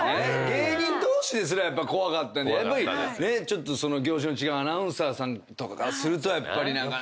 芸人同士ですら怖かったんでちょっと業種の違うアナウンサーさんとかからするとやっぱりなかなか。